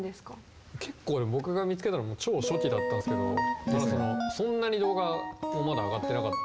結構ね僕が見つけたのもう超初期だったんすけどそんなに動画もまだ上がってなかった。